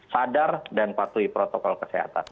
sadar dan patuhi protokol kesehatan